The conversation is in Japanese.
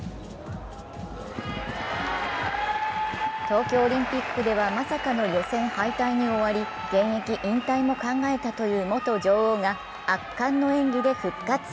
東京オリンピックではまさかの予選敗退に終わり、現役引退も考えたという元女王が圧巻の演技で復活。